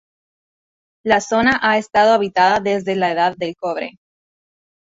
La zona ha estado habitada desde la Edad del Cobre.